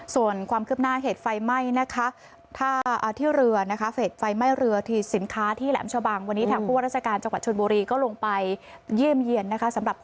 ส่วนความคลิบหน้าเหตุไฟไหม้นะถ้าที่เรือเหตุไฟไหม้เรือตัวสินค้า